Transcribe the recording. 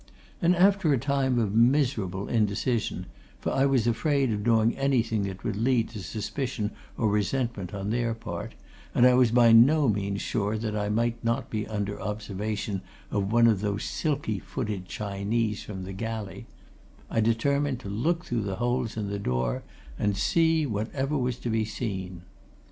And after a time of miserable indecision for I was afraid of doing anything that would lead to suspicion or resentment on their part, and I was by no means sure that I might not be under observation of one of those silky footed Chinese from the galley I determined to look through the holes in the door and see whatever was to be seen.